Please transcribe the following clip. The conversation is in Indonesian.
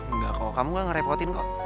enggak kalau kamu gak ngerepotin kok